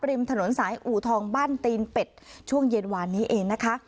ริมถนนสายอูทองบ้านตีนเป็ดช่วงเย็นวานนี้เองนะคะ